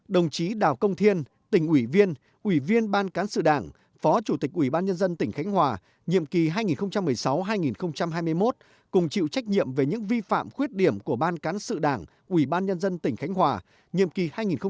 đồng chí đào công thiên tỉnh ủy viên ủy viên ban cán sự đảng phó chủ tịch ủy ban nhân dân tỉnh khánh hòa nhiệm kỳ hai nghìn một mươi sáu hai nghìn hai mươi một cùng chịu trách nhiệm về những vi phạm khuyết điểm của ban cán sự đảng ủy ban nhân dân tỉnh khánh hòa nhiệm kỳ hai nghìn một mươi sáu hai nghìn một mươi sáu